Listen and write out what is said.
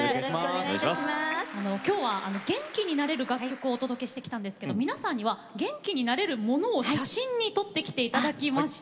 今日は元気になれる楽曲をお届けしてきたんですが皆さんには元気になれるものを写真で撮ってきていただきました。